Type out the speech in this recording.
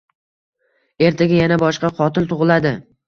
Ertaga yana boshqa qotil tug`iladi